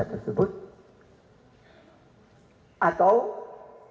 masukan masukan itu merupakan informasi